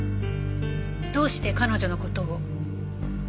どうして彼女の事を？